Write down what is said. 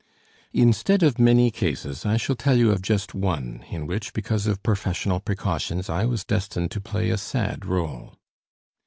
Instead of many cases, I shall tell you of just one in which, because of professional precautions, I was destined to play a sad role.